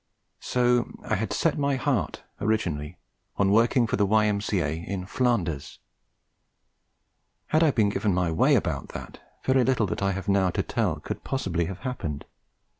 So I had set my heart, originally, on working for the Y.M.C.A. in Flanders. Had I been given my way about that, very little that I have now to tell could possibly have happened.